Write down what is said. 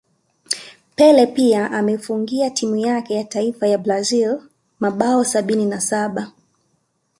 Pele pia ameifungia timu yake yataifa ya Brazil mabao sabini na Saba